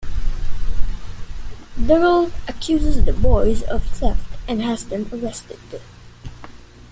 McDougal accuses the boys of theft and has them arrested.